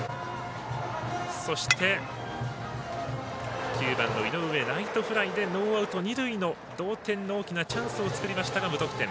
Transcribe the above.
そして、９番の井上はライトフライでノーアウト、二塁の同点の大きなチャンスを作りましたが無得点。